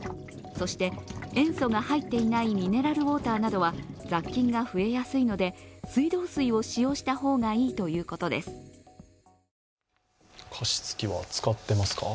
そして、塩素が入っていないミネラルウォーターなどは雑菌が増えやすいので水道水を使用した方がいいといいます。